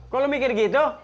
kok lu mikir gitu